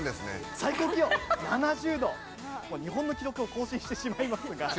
最高気温⁉日本の記録を更新してしまいますが。